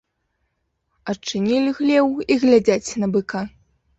Адчынілі хлеў і глядзяць на быка.